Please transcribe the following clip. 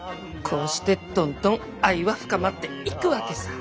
こうしてどんどん愛は深まっていくわけさぁ。